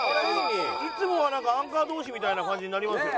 いつもはなんかアンカー同士みたいな感じになりますよね。